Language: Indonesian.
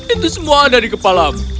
itu semua ada di kepalamu